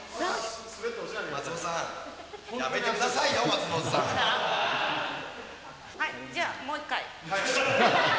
松本さん、やめてくださいよ、じゃあ、もう１回。